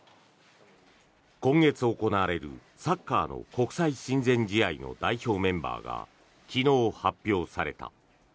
今月行われるサッカーの国際親善試合の代表メンバーが昨日、発表された。